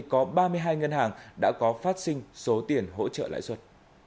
có ba mươi hai ngân hàng đã có phát sinh số tiền hỗ trợ lãi suất